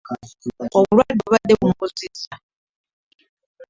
Obulwadde bwe bubadde bumubuzizza.